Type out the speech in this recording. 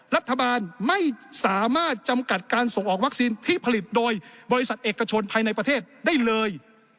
รัฐบาลไม่สามารถจำกัดการส่งออกวัคซีนที่ผลิตโดยบริษัทเอกชนภายในประเทศได้เลย